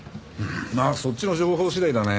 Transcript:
まあそっちの情報次第だね。